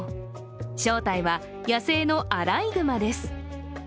正体は野生のアライグマです。